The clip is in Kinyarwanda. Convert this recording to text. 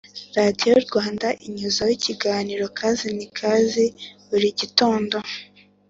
Radiyo Rwanda inyuzaho ikiganiro kazi nikazi buri gitondo